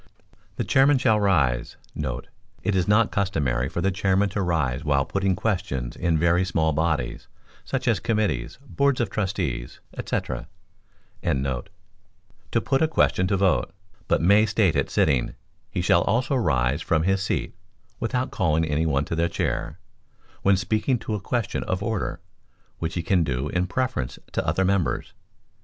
The chairman shall rise* [It is not customary for the chairman to rise while putting questions in very small bodies, such as committees, boards of trustees, &c.] to put a question to vote, but may state it sitting; he shall also rise from his seat (without calling any one to the chair), when speaking to a question of order, which he can do in preference to other members.